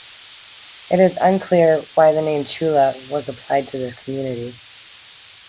It is unclear why the name Chula was applied to this community.